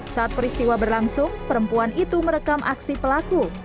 saat peristiwa berlangsung perempuan itu merekam aksi pelaku